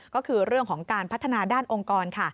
ก็คือเรื่องของการพัฒนาด้านองค์กรค่ะ